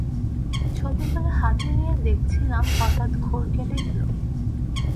ছবিগুলো হাতে নিয়ে দেখছিলাম, হঠাৎ ঘোর কেটে গেল।